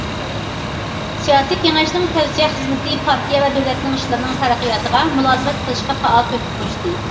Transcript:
سىياسىي كېڭەشنىڭ تەۋسىيە خىزمىتى پارتىيە ۋە دۆلەتنىڭ ئىشلىرىنىڭ تەرەققىياتىغا مۇلازىمەت قىلىشقا پائال تۆھپە قوشتى.